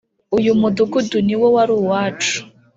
Uyu Mudugudu niwo wari uwacu